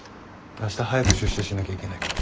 あした早く出社しなきゃいけないから。